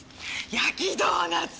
焼きドーナツ！